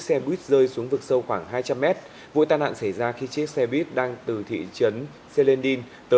xin chào và hẹn gặp lại